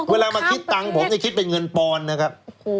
เวลามาคิดตังค์ผมเนี่ยคิดเป็นเงินปอนด์นะครับ